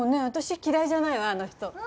私嫌いじゃないわあの人。